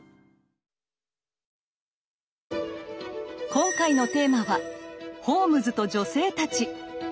今回のテーマはホームズと女性たち！